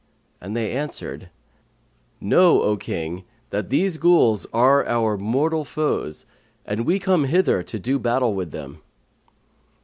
and they answered, 'Know, O King, that these Ghuls are our mortal foes and we come hither to do battle with them.'